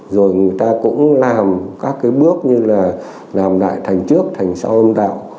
rồi người ta cũng làm các cái bước như là làm đại thành trước thành sau âm đạo